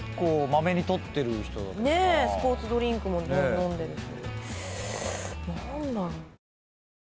スポーツドリンクも飲んでるし。